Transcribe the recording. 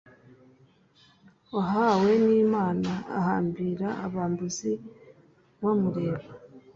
uwahawe n'imana ahambira abambuzi bamureba